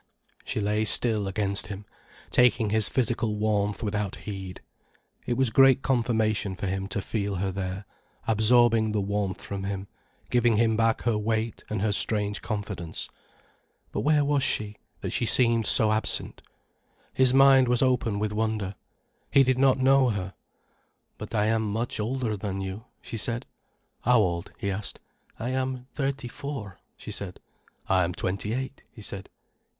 She lay still against him, taking his physical warmth without heed. It was great confirmation for him to feel her there, absorbing the warmth from him, giving him back her weight and her strange confidence. But where was she, that she seemed so absent? His mind was open with wonder. He did not know her. "But I am much older than you," she said. "How old?" he asked. "I am thirty four," she said. "I am twenty eight," he said.